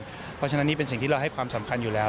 เพราะฉะนั้นนี่เป็นสิ่งที่เราให้ความสำคัญอยู่แล้ว